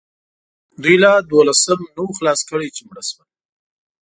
دوی لا دولسم ټولګی نه وو خلاص کړی چې مړه شول.